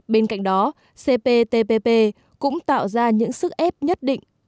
bên cạnh đó cptpp cũng tạo ra những sức ép nhất định